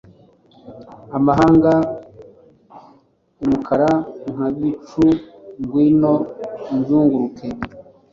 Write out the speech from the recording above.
amahanga, umukara Nka bicu, ngwino uzunguruke! '